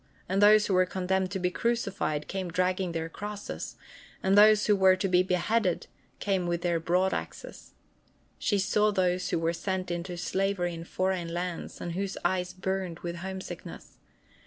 And those who were condemned to be crucified came dragging their crosses, and those who were to be beheaded came with their broadaxes. She saw those who were sent into slavery to foreign lands and whose eyes burned with homesickness.